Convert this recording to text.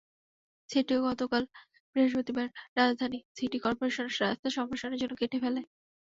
সেটিও গতকাল বৃহস্পতিবার রাজশাহী সিটি করপোরেশন রাস্তা সম্প্রসারণের জন্য কেটে ফেলে।